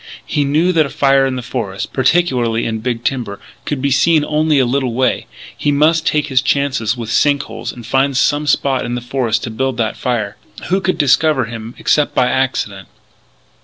He knew that a fire in the forest, particularly in big timber, could be seen only a little way. He must take his chances with sink holes and find some spot in the forest to build that fire. Who could discover him except by accident?